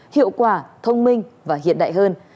hiệu quả thông minh và hiện đại hơn